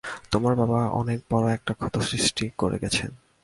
তোমার বাবা অনেক বড় একটা ক্ষত সৃষ্টি করে গেছেন।